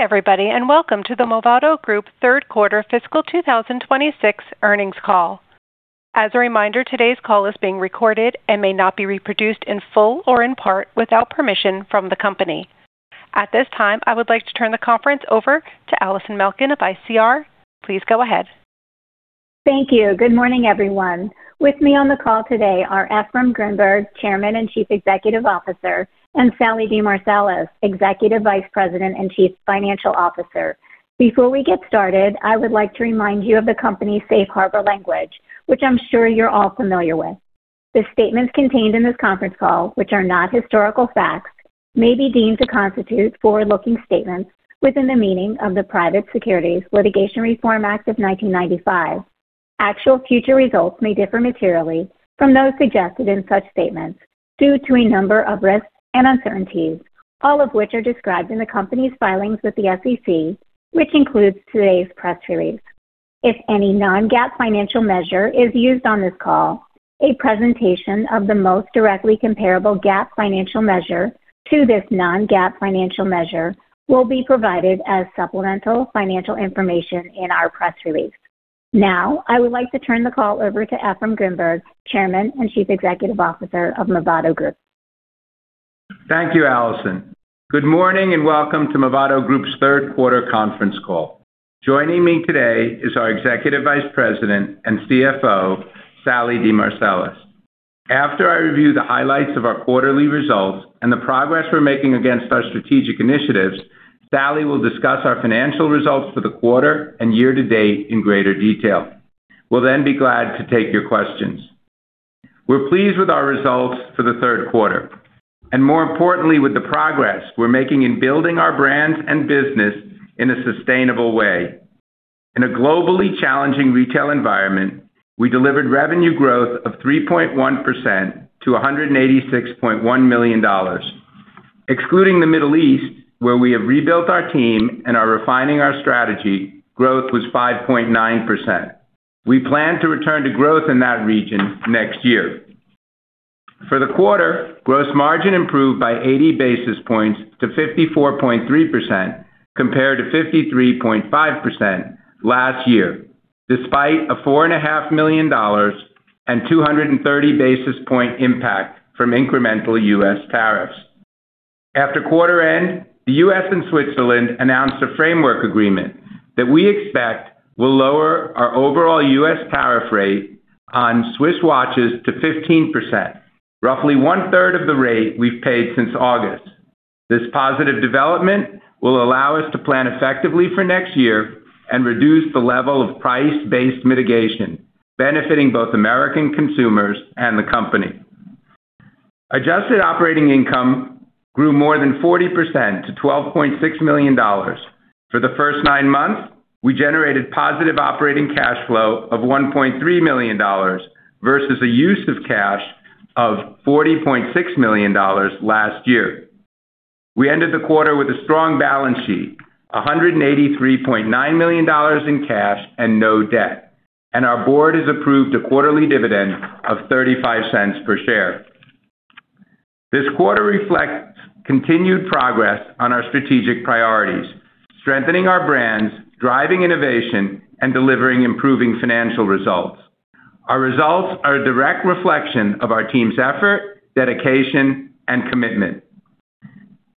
Good day, everybody, and welcome to the Movado Group Third Quarter Fiscal 2026 Earnings Call. As a reminder, today's call is being recorded and may not be reproduced in full or in part without permission from the company. At this time, I would like to turn the conference over to Allison Malkin of ICR. Please go ahead. Thank you. Good morning, everyone. With me on the call today are Efraim Grinberg, Chairman and Chief Executive Officer, and Sallie DeMarsilis, Executive Vice President and Chief Financial Officer. Before we get started, I would like to remind you of the company's safe harbor language, which I'm sure you're all familiar with. The statements contained in this conference call, which are not historical facts, may be deemed to constitute forward-looking statements within the meaning of the Private Securities Litigation Reform Act of 1995. Actual future results may differ materially from those suggested in such statements due to a number of risks and uncertainties, all of which are described in the company's filings with the SEC, which includes today's press release. If any non-GAAP financial measure is used on this call, a presentation of the most directly comparable GAAP financial measure to this non-GAAP financial measure will be provided as supplemental financial information in our press release. Now, I would like to turn the call over to Efraim Grinberg, Chairman and Chief Executive Officer of Movado Group. Thank you, Allison. Good morning and welcome to Movado Group's Third Quarter Conference Call. Joining me today is our Executive Vice President and CFO, Sallie DeMarsilis. After I review the highlights of our quarterly results and the progress we're making against our strategic initiatives, Sallie will discuss our financial results for the quarter and year-to-date in greater detail. We'll then be glad to take your questions. We're pleased with our results for the third quarter, and more importantly, with the progress we're making in building our brand and business in a sustainable way. In a globally challenging retail environment, we delivered revenue growth of 3.1% to $186.1 million. Excluding the Middle East, where we have rebuilt our team and are refining our strategy, growth was 5.9%. We plan to return to growth in that region next year. For the quarter, gross margin improved by 80 basis points to 54.3% compared to 53.5% last year, despite a $4.5 million and 230 basis point impact from incremental U.S. tariffs. After quarter end, the U.S. and Switzerland announced a framework agreement that we expect will lower our overall U.S. tariff rate on Swiss watches to 15%, roughly 1/3 of the rate we've paid since August. This positive development will allow us to plan effectively for next year and reduce the level of price-based mitigation, benefiting both American consumers and the company. Adjusted operating income grew more than 40% to $12.6 million. For the first nine months, we generated positive operating cash flow of $1.3 million versus a use of cash of $40.6 million last year. We ended the quarter with a strong balance sheet, $183.9 million in cash and no debt, and our board has approved a quarterly dividend of $0.35 per share. This quarter reflects continued progress on our strategic priorities, strengthening our brands, driving innovation, and delivering improving financial results. Our results are a direct reflection of our team's effort, dedication, and commitment.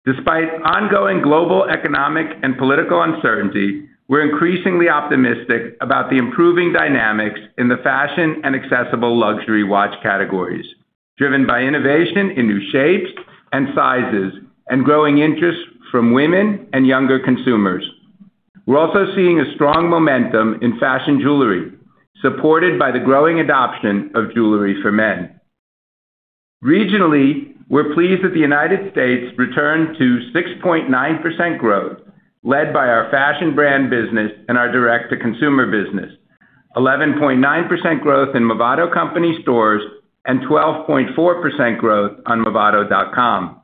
Despite ongoing global economic and political uncertainty, we're increasingly optimistic about the improving dynamics in the fashion and accessible luxury watch categories, driven by innovation in new shapes and sizes and growing interest from women and younger consumers. We're also seeing a strong momentum in fashion jewelry, supported by the growing adoption of jewelry for men. Regionally, we're pleased that the United States returned to 6.9% growth, led by our fashion brand business and our direct-to-consumer business, 11.9% growth in Movado Company stores and 12.4% growth on movado.com.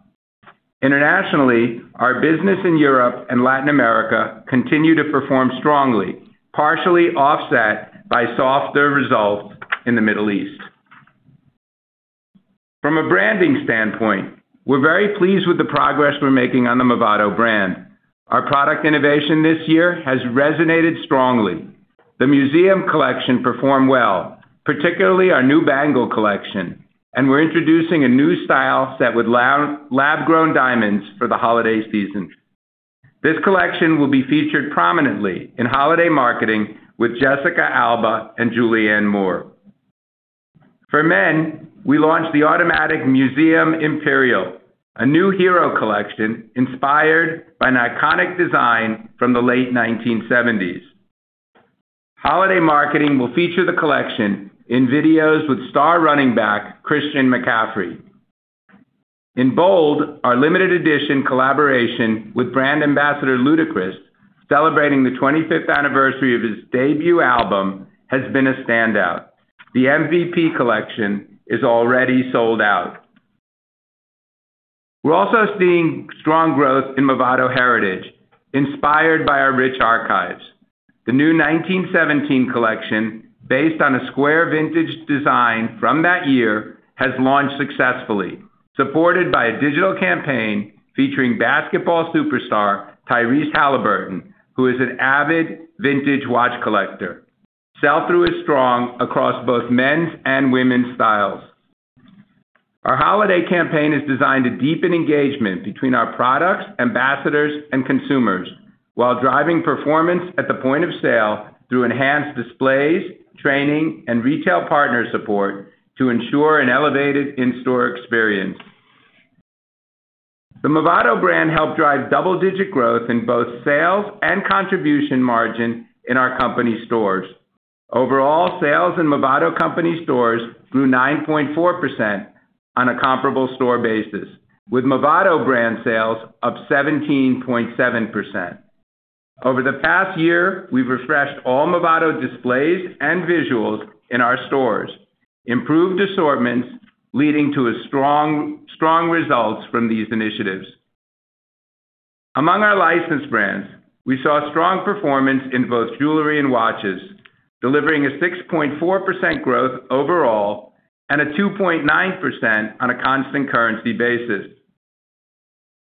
Internationally, our business in Europe and Latin America continues to perform strongly, partially offset by softer results in the Middle East. From a branding standpoint, we're very pleased with the progress we're making on the Movado brand. Our product innovation this year has resonated strongly. The Museum Collection performed well, particularly our new Bangle Collection, and we're introducing a new style set with Lab Grown Diamonds for the holiday season. This collection will be featured prominently in holiday marketing with Jessica Alba and Julianne Moore. For men, we launched the Automatic Museum Imperiale, a new hero collection inspired by an iconic design from the late 1970s. Holiday marketing will feature the collection in videos with star running back Christian McCaffrey. In Bold, our limited edition collaboration with brand ambassador Ludacris, celebrating the 25th anniversary of his debut album, has been a standout. The MVP Collection is already sold out. We're also seeing strong growth in Movado heritage, inspired by our rich archives. The new 1917 Collection, based on a square vintage design from that year, has launched successfully, supported by a digital campaign featuring basketball superstar Tyrese Halliburton, who is an avid vintage watch collector. Sell-through is strong across both men's and women's styles. Our holiday campaign is designed to deepen engagement between our products, ambassadors, and consumers while driving performance at the point of sale through enhanced displays, training, and retail partner support to ensure an elevated in-store experience. The Movado brand helped drive double-digit growth in both sales and contribution margin in our company stores. Overall, sales in Movado company stores grew 9.4% on a comparable store basis, with Movado brand sales up 17.7%. Over the past year, we've refreshed all Movado displays and visuals in our stores, improved assortments, leading to strong results from these initiatives. Among our licensed brands, we saw strong performance in both jewelry and watches, delivering a 6.4% growth overall and a 2.9% on a constant currency basis.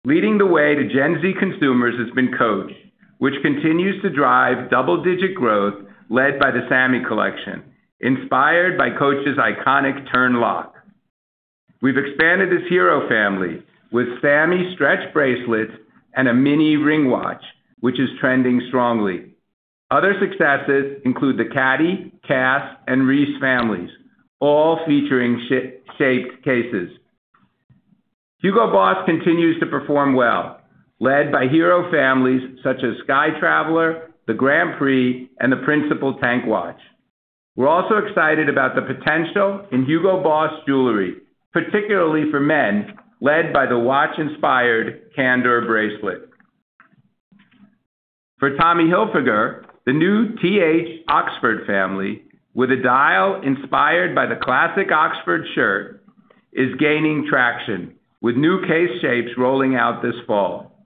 Leading the way to Gen Z consumers has been Coach, which continues to drive double-digit growth led by the Sammy Collection, inspired by Coach's iconic turn lock. We've expanded this hero family with Sammy stretch bracelets and a mini ring watch, which is trending strongly. Other successes include the Caddy, Cas, and Reese families, all featuring shaped cases. Hugo Boss continues to perform well, led by hero families such as Sky Traveler, the Grand Prix, and the Principal Tank Watch. We're also excited about the potential in Hugo Boss jewelry, particularly for men, led by the watch-inspired Kandor bracelet. For Tommy Hilfiger, the new TH Oxford family, with a dial inspired by the classic Oxford shirt, is gaining traction, with new case shapes rolling out this fall.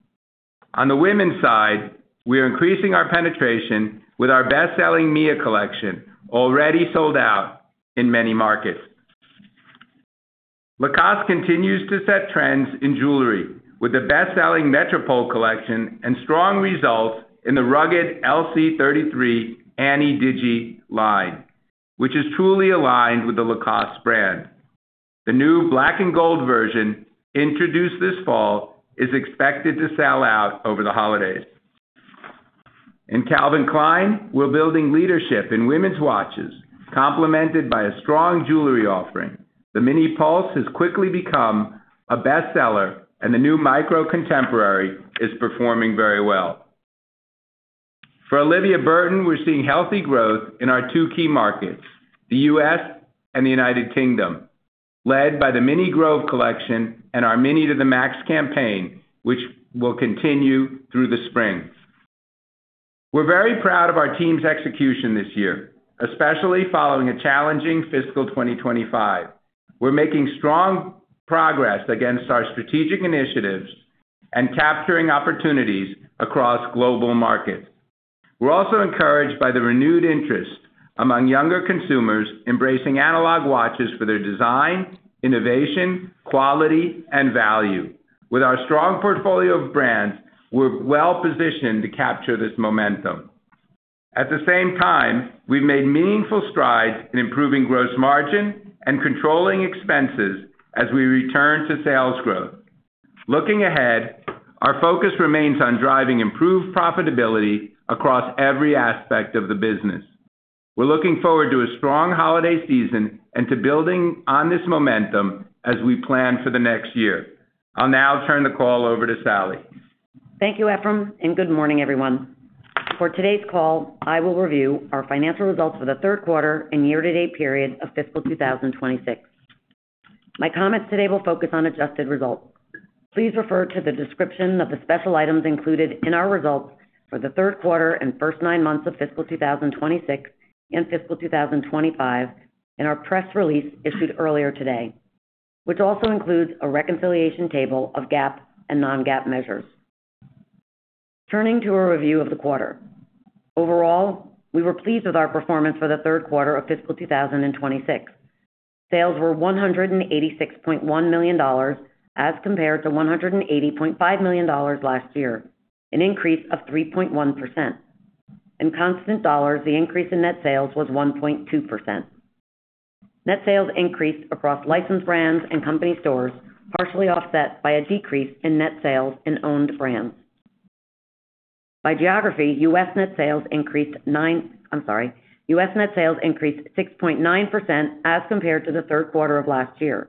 On the women's side, we are increasing our penetration with our best-selling Mia Collection, already sold out in many markets. Lacoste continues to set trends in jewelry with the best-selling Metropol Collection and strong results in the rugged LC33 Annie Digi line, which is truly aligned with the Lacoste brand. The new black and gold version introduced this fall is expected to sell out over the holidays. In Calvin Klein, we're building leadership in women's watches, complemented by a strong jewelry offering. The Mini Pulse has quickly become a bestseller, and the new Micro Contemporary is performing very well. For Olivia Burton, we're seeing healthy growth in our two key markets, the U.S. and the United Kingdom, led by the Mini Grove Collection and our Mini to the Max campaign, which will continue through the spring. We're very proud of our team's execution this year, especially following a challenging fiscal 2025. We're making strong progress against our strategic initiatives and capturing opportunities across global markets. We're also encouraged by the renewed interest among younger consumers embracing analog watches for their design, innovation, quality, and value. With our strong portfolio of brands, we're well-positioned to capture this momentum. At the same time, we've made meaningful strides in improving gross margin and controlling expenses as we return to sales growth. Looking ahead, our focus remains on driving improved profitability across every aspect of the business. We're looking forward to a strong holiday season and to building on this momentum as we plan for the next year. I'll now turn the call over to Sallie. Thank you, Efraim, and good morning, everyone. For today's call, I will review our financial results for the third quarter and year-to-date period of fiscal 2026. My comments today will focus on adjusted results. Please refer to the description of the special items included in our results for the third quarter and first nine months of fiscal 2026 and fiscal 2025 in our press release issued earlier today, which also includes a reconciliation table of GAAP and non-GAAP measures. Turning to a review of the quarter, overall, we were pleased with our performance for the third quarter of fiscal 2026. Sales were $186.1 million as compared to $180.5 million last year, an increase of 3.1%. In constant dollars, the increase in net sales was 1.2%. Net sales increased across licensed brands and company stores, partially offset by a decrease in net sales in owned brands. By geography, U.S. Net sales increased 6.9% as compared to the third quarter of last year.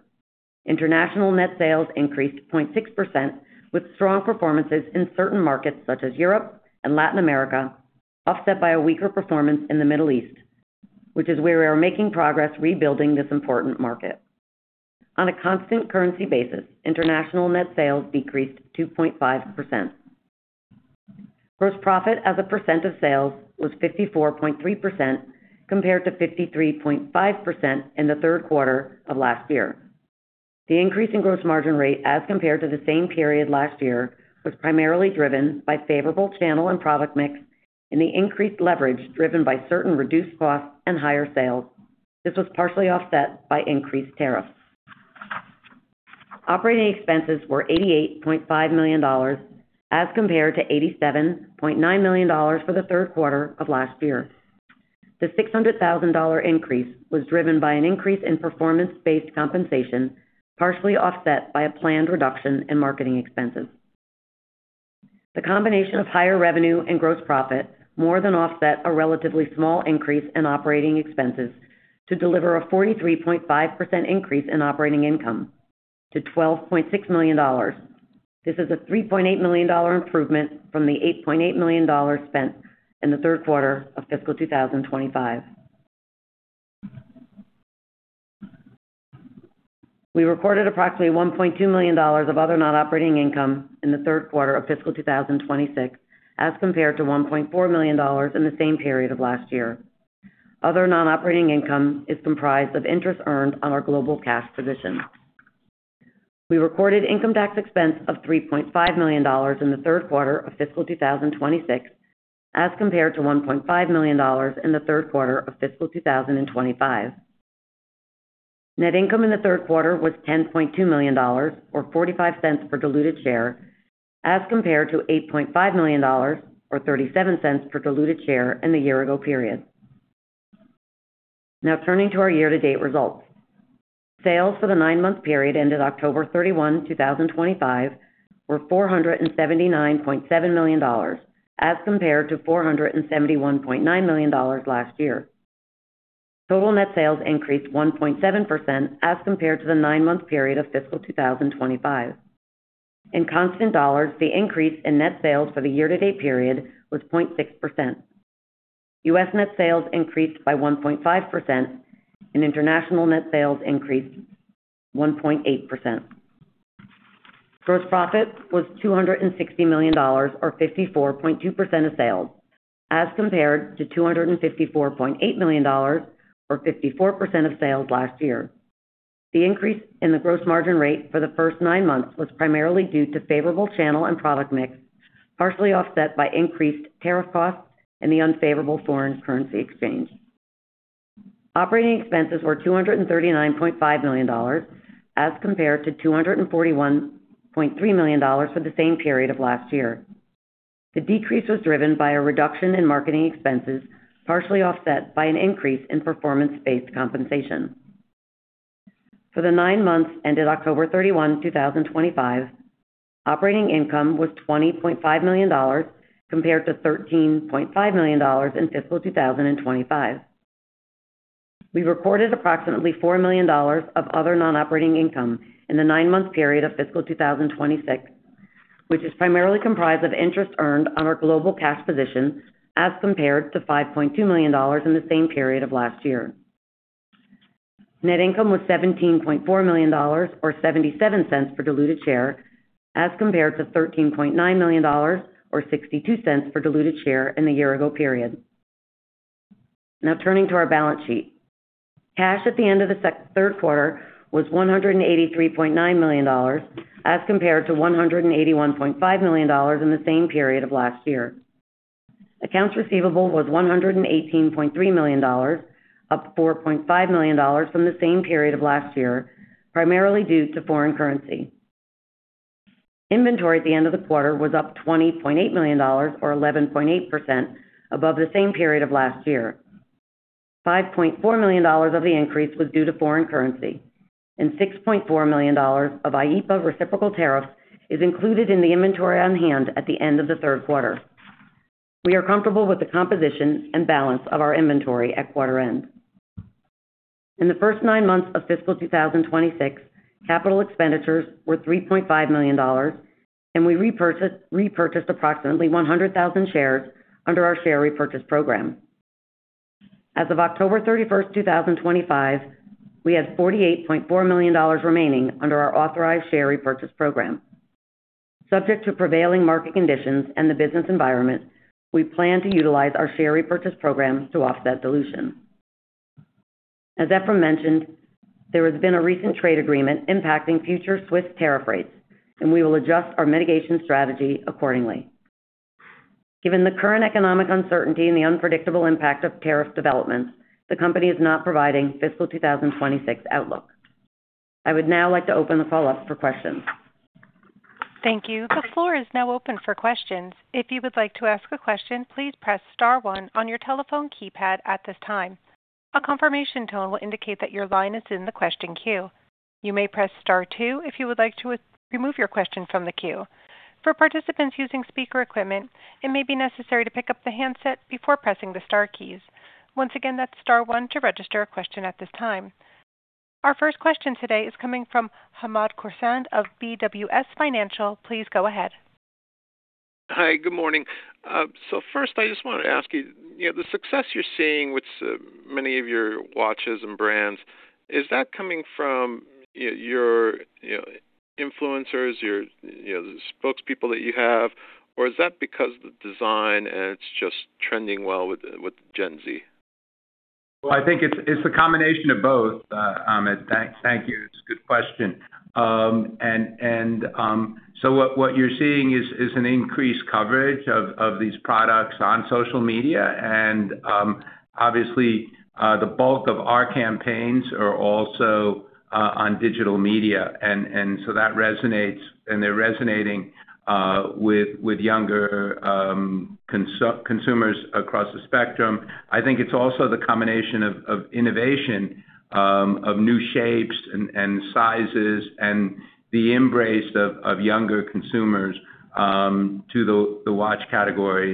International net sales increased 0.6%, with strong performances in certain markets such as Europe and Latin America, offset by a weaker performance in the Middle East, which is where we are making progress rebuilding this important market. On a constant currency basis, international net sales decreased 2.5%. Gross profit as a percent of sales was 54.3% compared to 53.5% in the third quarter of last year. The increase in gross margin rate as compared to the same period last year was primarily driven by favorable channel and product mix and the increased leverage driven by certain reduced costs and higher sales. This was partially offset by increased tariffs. Operating expenses were $88.5 million as compared to $87.9 million for the third quarter of last year. The $600 thousand increase was driven by an increase in performance-based compensation, partially offset by a planned reduction in marketing expenses. The combination of higher revenue and gross profit more than offset a relatively small increase in operating expenses to deliver a 43.5% increase in operating income to $12.6 million. This is a $3.8 million improvement from the $8.8 million spent in the third quarter of fiscal 2025. We recorded approximately $1.2 million of other non-operating income in the third quarter of fiscal 2026 as compared to $1.4 million in the same period of last year. Other non-operating income is comprised of interest earned on our global cash position. We recorded income tax expense of $3.5 million in the third quarter of fiscal 2026 as compared to $1.5 million in the third quarter of fiscal 2025. Net income in the third quarter was $10.2 million, or $0.45 per diluted share, as compared to $8.5 million, or $0.37 per diluted share in the year-ago period. Now, turning to our year-to-date results, sales for the nine-month period ended October 31, 2025, were $479.7 million as compared to $471.9 million last year. Total net sales increased 1.7% as compared to the nine-month period of fiscal 2025. In constant dollars, the increase in net sales for the year-to-date period was 0.6%. U.S. net sales increased by 1.5%, and international net sales increased 1.8%. Gross profit was $260 million, or 54.2% of sales, as compared to $254.8 million, or 54% of sales last year. The increase in the gross margin rate for the first nine months was primarily due to favorable channel and product mix, partially offset by increased tariff costs and the unfavorable foreign currency exchange. Operating expenses were $239.5 million as compared to $241.3 million for the same period of last year. The decrease was driven by a reduction in marketing expenses, partially offset by an increase in performance-based compensation. For the nine months ended October 31, 2025, operating income was $20.5 million compared to $13.5 million in fiscal 2025. We recorded approximately $4 million of other non-operating income in the nine-month period of fiscal 2026, which is primarily comprised of interest earned on our global cash position as compared to $5.2 million in the same period of last year. Net income was $17.4 million, or $0.77 per diluted share, as compared to $13.9 million, or $0.62 per diluted share in the year-ago period. Now, turning to our balance sheet, cash at the end of the third quarter was $183.9 million as compared to $181.5 million in the same period of last year. Accounts receivable was $118.3 million, up $4.5 million from the same period of last year, primarily due to foreign currency. Inventory at the end of the quarter was up $20.8 million, or 11.8%, above the same period of last year. $5.4 million of the increase was due to foreign currency, and $6.4 million of U.S. reciprocal tariffs is included in the inventory on hand at the end of the third quarter. We are comfortable with the composition and balance of our inventory at quarter end. In the first nine months of fiscal 2026, capital expenditures were $3.5 million, and we repurchased approximately 100,000 shares under our share repurchase program. As of October 31, 2025, we had $48.4 million remaining under our authorized share repurchase program. Subject to prevailing market conditions and the business environment, we plan to utilize our share repurchase program to offset dilution. As Efraim mentioned, there has been a recent trade agreement impacting future Swiss tariff rates, and we will adjust our mitigation strategy accordingly. Given the current economic uncertainty and the unpredictable impact of tariff developments, the company is not providing fiscal 2026 outlook. I would now like to open the call up for questions. Thank you. The floor is now open for questions. If you would like to ask a question, please press star one on your telephone keypad at this time. A confirmation tone will indicate that your line is in the question queue. You may press star two if you would like to remove your question from the queue. For participants using speaker equipment, it may be necessary to pick up the handset before pressing the star keys. Once again, that's star one to register a question at this time. Our first question today is coming from Hamed Khorsand of BWS Financial. Please go ahead. Hi, good morning. First, I just want to ask you, the success you're seeing with many of your watches and brands, is that coming from your influencers, your spokespeople that you have, or is that because of the design and it's just trending well with Gen Z? I think it's a combination of both. Thank you. It's a good question. What you're seeing is an increased coverage of these products on social media. Obviously, the bulk of our campaigns are also on digital media. That resonates, and they're resonating with younger consumers across the spectrum. I think it's also the combination of innovation, of new shapes and sizes, and the embrace of younger consumers to the watch category.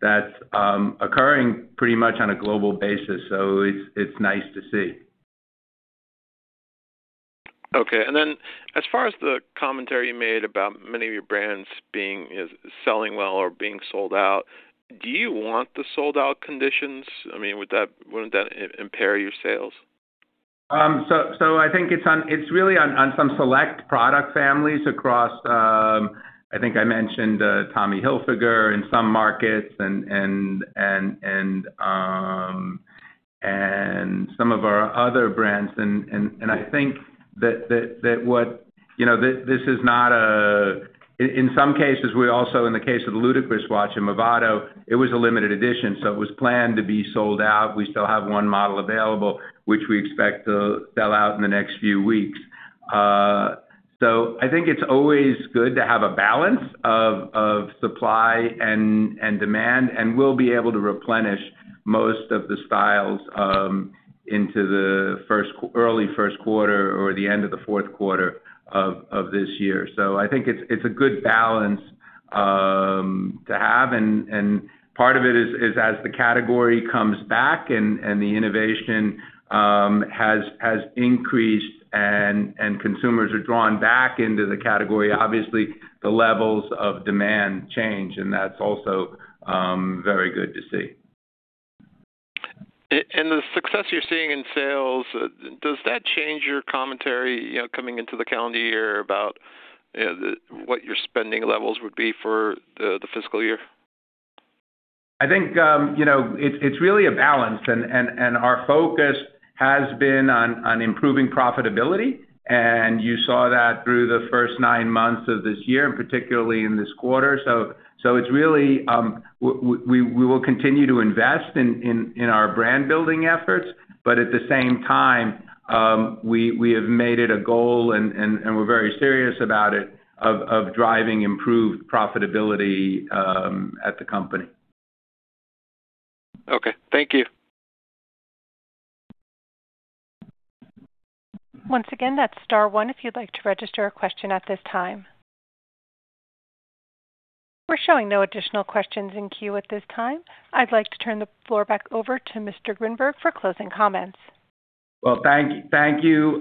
That's occurring pretty much on a global basis. It's nice to see. Okay. As far as the commentary you made about many of your brands being selling well or being sold out, do you want the sold-out conditions? I mean, wouldn't that impair your sales? I think it's really on some select product families across, I think I mentioned Tommy Hilfiger in some markets and some of our other brands. I think that this is not a, in some cases, we also, in the case of the Ludacris watch and Movado, it was a limited edition. It was planned to be sold out. We still have one model available, which we expect to sell out in the next few weeks. I think it's always good to have a balance of supply and demand, and we'll be able to replenish most of the styles into the early first quarter or the end of the fourth quarter of this year. I think it's a good balance to have. Part of it is as the category comes back and the innovation has increased and consumers are drawn back into the category, obviously, the levels of demand change. That is also very good to see. The success you're seeing in sales, does that change your commentary coming into the calendar year about what your spending levels would be for the fiscal year? I think it's really a balance. Our focus has been on improving profitability. You saw that through the first nine months of this year, particularly in this quarter. We will continue to invest in our brand-building efforts. At the same time, we have made it a goal, and we're very serious about it, of driving improved profitability at the company. Okay. Thank you. Once again, that's star one if you'd like to register a question at this time. We're showing no additional questions in queue at this time. I'd like to turn the floor back over to Mr. Grinberg for closing comments. Thank you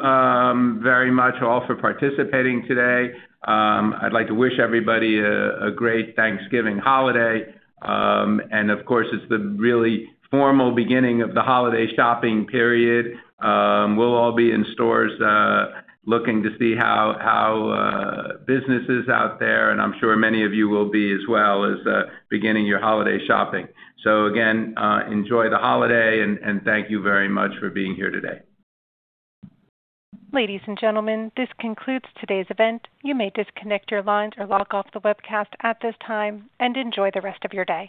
very much all for participating today. I'd like to wish everybody a great Thanksgiving holiday. Of course, it's the really formal beginning of the holiday shopping period. We'll all be in stores looking to see how business is out there. I'm sure many of you will be as well as beginning your holiday shopping. Again, enjoy the holiday, and thank you very much for being here today. Ladies and gentlemen, this concludes today's event. You may disconnect your lines or log off the webcast at this time and enjoy the rest of your day.